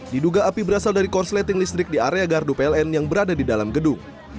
diduga api berasal dari korsleting listrik di area gardu pln yang berada di dalam gedung